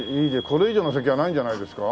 これ以上の席はないんじゃないですか。